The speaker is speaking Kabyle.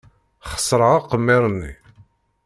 Xeṣreɣ aqemmer-nni.